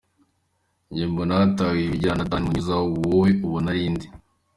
nge mbona hatahiwe Ibingira na Dan Munyuza, wowe ubona arinde?